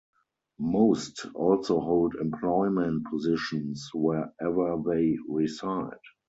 Most also hold employment positions where ever they reside.